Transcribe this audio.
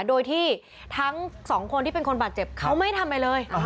โดยที่ทั้งสองคนที่เป็นคนบาดเจ็บเขาไม่ทำอะไรเลย